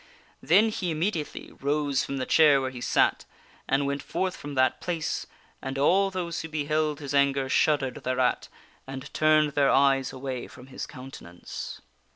Then he immediately rose from the chair "which"/ where he sat and went forth from that place, and all those who herald ' brin s eth beheld his anger shuddered thereat and turned their eyes away from his countenance.